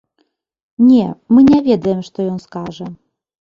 Не, мы не ведаем, што ён скажа.